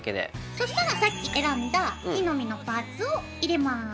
そしたらさっき選んだ木の実のパーツを入れます。